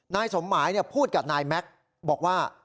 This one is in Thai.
นายสมหมายเนี่ยพูดกับนายแม็กบอกว่า